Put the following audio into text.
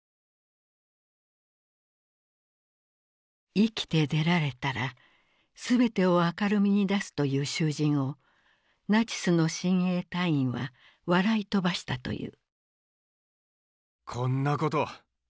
「生きて出られたら全てを明るみに出す」と言う囚人をナチスの親衛隊員は笑い飛ばしたという。